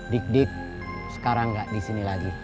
dik dik sekarang nggak di sini lagi